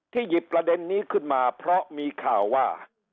หยิบประเด็นนี้ขึ้นมาเพราะมีข่าวว่า